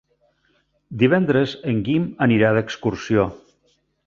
Divendres en Guim anirà d'excursió.